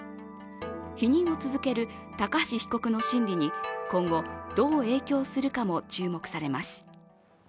否認を続ける高橋被告の審理に今後、どう影響するかも注目されます。